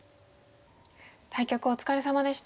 対局お疲れさまでした。